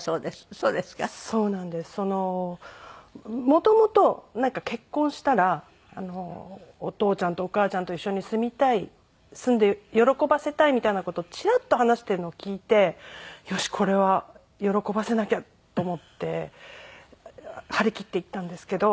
元々結婚したらお父ちゃんとお母ちゃんと一緒に住みたい住んで喜ばせたいみたいな事をちらっと話しているのを聞いてよしこれは喜ばせなきゃと思って張り切って行ったんですけど。